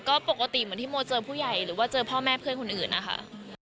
ก็ปกติเหมือนที่โมเจอผู้ใหญ่หรือว่าเจอพ่อแม่เพื่อนคนอื่นนะคะ